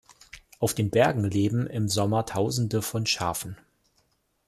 Auf den Bergen leben im Sommer Tausende von Schafen.